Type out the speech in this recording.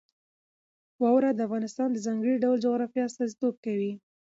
واوره د افغانستان د ځانګړي ډول جغرافیه استازیتوب کوي.